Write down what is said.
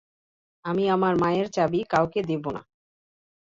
আমি আমার মায়ের চাবি কাউকে দিবো না!